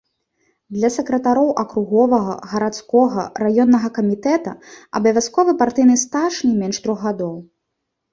Для сакратароў акруговага, гарадскога, раённага камітэта абавязковы партыйны стаж не менш трох гадоў.